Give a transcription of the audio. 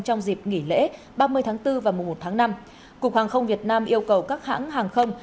trong dịp nghỉ lễ ba mươi tháng bốn và mùa một tháng năm cục hàng không việt nam yêu cầu các hãng hàng không